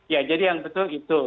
ya jadi yang betul itu